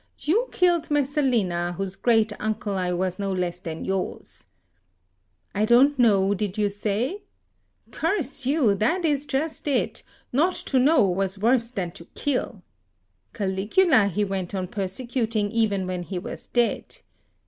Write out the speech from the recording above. You killed Messalina, whose great uncle I was no less than yours. 'I don't know,' did you say? Curse you! that is just it: not to know was worse than to kill. Caligula he went on persecuting even when he was dead.